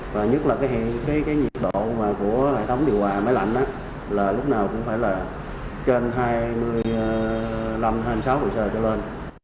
và nhất là nhiệt độ của hệ thống điều hòa máy lạnh lúc nào cũng phải là trên hai mươi năm hai mươi sáu độ c cho lên